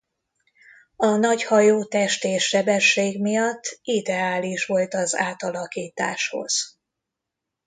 A nagy hajótest és sebesség miatt ideális volt az átalakításhoz.